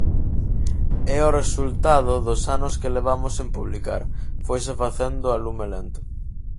É o resultado dos anos que levamos sen publicar, foise facendo a lume lento.